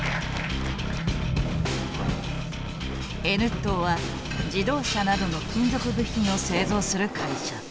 Ｎットーは自動車などの金属部品を製造する会社。